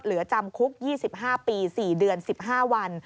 เหลือจำคุก๒๕ปี๔เดือน๑๕วัน